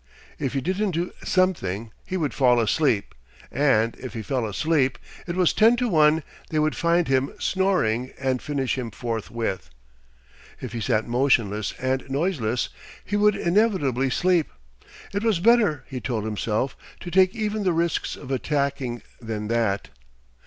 If he didn't do something, he would fall asleep, and if he fell asleep, it was ten to one they would find him snoring, and finish him forthwith. If he sat motionless and noiseless, he would inevitably sleep. It was better, he told himself, to take even the risks of attacking than that.